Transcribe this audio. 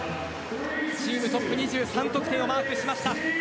チームトップ２３得点をマークしました。